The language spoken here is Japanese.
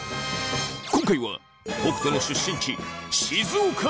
今回は北斗の出身地静岡県。